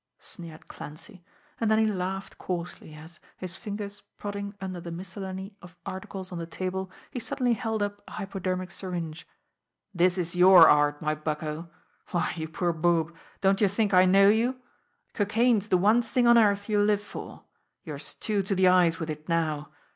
sneered Clancy; and then he laughed coarsely, as, his fingers prodding under the miscellany of articles on the table, he suddenly held up a hypodermic syringe. "This is your art, my bucko! Why, you poor boob, don't you think I know you! Cocaine's the one thing on earth you live for. You're stewed to the eyes with it now.